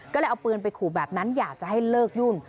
ก็เลยเอาปืนไปขู่แบบนั้นอยากจะให้เลิกยุ่น